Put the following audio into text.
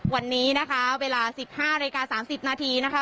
วันนี้นะคะเวลา๑๕นาฬิกา๓๐นาทีนะคะ